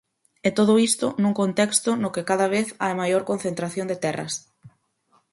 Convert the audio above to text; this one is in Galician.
E todo isto nun contexto no que cada vez hai maior concentración de terras.